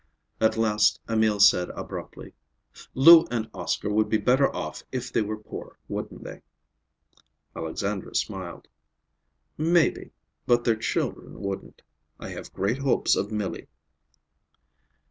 At last Emil said abruptly, "Lou and Oscar would be better off if they were poor, wouldn't they?" Alexandra smiled. "Maybe. But their children wouldn't. I have great hopes of Milly."